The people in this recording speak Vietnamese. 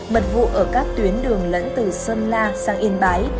mật vụ ở các tuyến đường lẫn từ sơn la sang yên bái